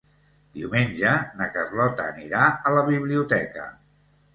Diumenge na Carlota anirà a la biblioteca.